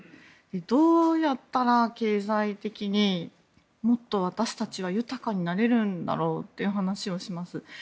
どうやったら経済的にもっと私たちは豊かになれるんだろうという話をします。